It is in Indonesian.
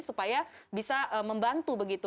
supaya bisa membantu begitu